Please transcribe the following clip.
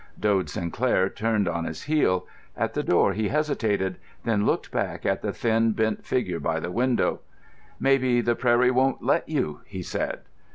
Dode Sinclair turned on his heel. At the door he hesitated, then looked back at the thin bent figure by the window. "Maybe the prairie won't let you," he said.